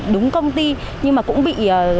đúng công ty nhưng mà cũng bị